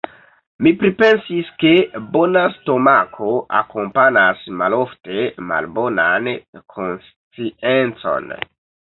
Mi pripensis, ke bona stomako akompanas malofte malbonan konsciencon.